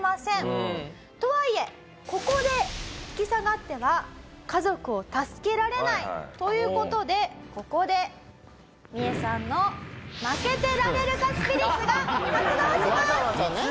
とはいえここで引き下がっては家族を助けられないという事でここでミエさんの負けてられるかスピリッツが発動します！